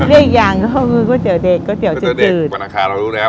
อีกอย่างก็คือก๋วยเตี๋ยวเด็กก๋วยเตี๋ยวจืดจืดก๋วยเตี๋ยวเด็กวันอาคารเรารู้แล้ว